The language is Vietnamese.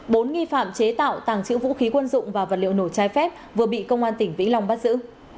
bốn nghi phạm chế tạo tàng trữ vũ khí quân dụng và vật liệu nổ trai phép vừa bị công an tỉnh vĩnh long bắt giữ